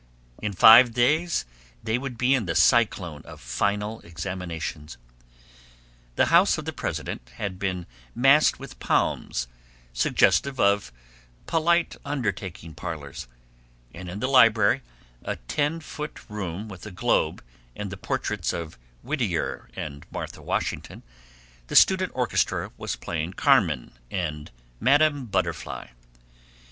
In five days they would be in the cyclone of final examinations. The house of the president had been massed with palms suggestive of polite undertaking parlors, and in the library, a ten foot room with a globe and the portraits of Whittier and Martha Washington, the student orchestra was playing "Carmen" and "Madame Butterfly."